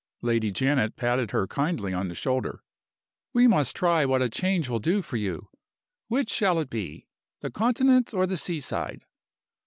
Lady Janet patted her kindly on the shoulder. "We must try what a change will do for you. Which shall it be? the Continent or the sea side?"